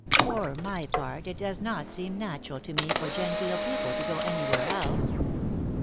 For my part it does not seem natural to me for genteel people to go any where else."